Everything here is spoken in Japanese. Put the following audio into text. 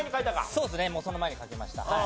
そうですねもうその前に書きました。